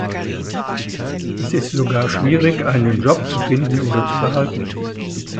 Es ist sogar schwierig, einen Job zu finden oder zu behalten.